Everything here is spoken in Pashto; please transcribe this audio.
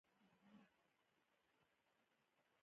دا پروسه په انفرادي ډول هم کیدای شي.